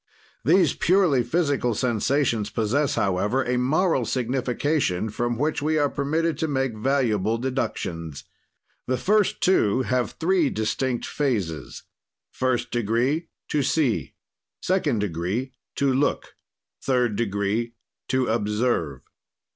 "These purely physical sensations possess, however, a moral signification, from which we are permitted to make valuable deductions. "The first two have three distinct phases: "First degree, to see. "Second degree, to look. "Third degree, to observe.